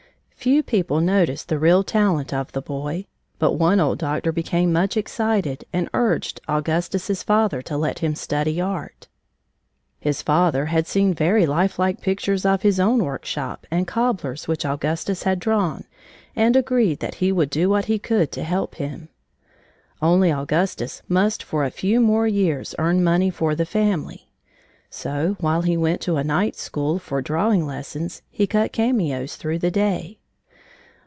Few people noticed the real talent of the boy, but one old doctor became much excited and urged Augustus's father to let him study art. His father had seen very lifelike pictures of his own workshop and cobblers which Augustus had drawn, and agreed that he would do what he could to help him. Only Augustus must for a few more years earn money for the family. So while he went to a night school for drawing lessons, he cut cameos through the day.